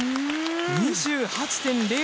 ２８．００。